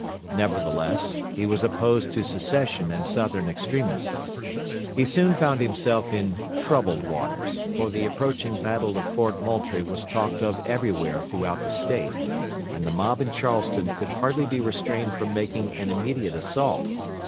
Nevertheless, he was opposed to secession and Southern extremists. He soon found himself in troubled waters, for the approaching battle of Fort Moultrie was talked of everywhere throughout the State, and the mob in Charleston could hardly be restrained from making an immediate assault.